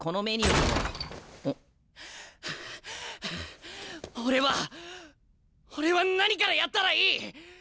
俺は俺は何からやったらいい！？